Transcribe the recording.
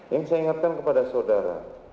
yang saya ingatkan kepada saudara